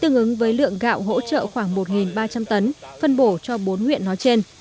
tương ứng với lượng gạo hỗ trợ khoảng một ba trăm linh tấn phân bổ cho bốn huyện nói trên